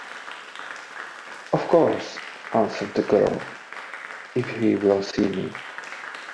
"Of course," answered the girl, "if he will see me."